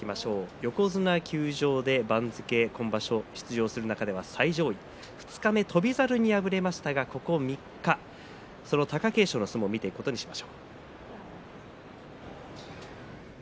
横綱休場で番付を今場所出場する中では最上位二日目、翔猿に敗れましたがここ３日貴景勝の相撲を見ていきます。